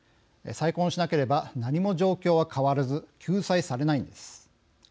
再婚しなければ何も状況は変わらず救済されないのです。